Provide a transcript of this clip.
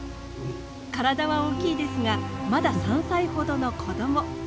体は大きいですがまだ３歳ほどの子ども。